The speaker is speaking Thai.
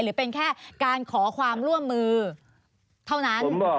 หรือเป็นแค่การขอความร่วมมือเท่านั้น